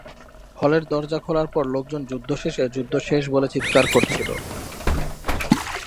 হলের দরজা খোলার পর লোকজন যুদ্ধ শেষে, যুদ্ধ শেষ বলে চিৎকার করছিল।